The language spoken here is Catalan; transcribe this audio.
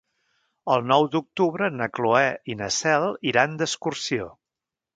El nou d'octubre na Cloè i na Cel iran d'excursió.